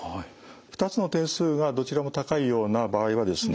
２つの点数がどちらも高いような場合はですね